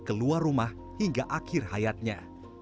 keluar rumah hingga akhir hayatnya